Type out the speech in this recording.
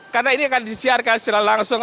karena ini akan disiarkan secara langsung